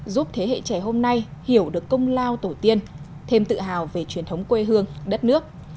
giúp thế hệ trẻ hôm nay hiểu được công lao tổ tiên thêm tự hào về truyền thống quê hương đất nước